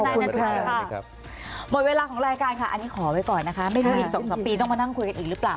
ค่ะหมดเวลาของรายการค่ะอันนี้ขอไว้ก่อนนะคะไม่รู้อีก๒๓ปีต้องมานั่งคุยกันอีกหรือเปล่า